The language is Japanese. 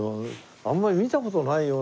あんまり見た事ないような。